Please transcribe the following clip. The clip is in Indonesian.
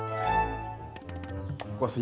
kamu juga suka